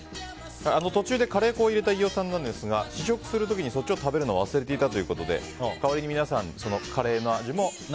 途中でカレー粉を入れた飯尾さんなんですが試食する時にそっちを食べるのを忘れていたということで代わりに皆さん、カレーの味も。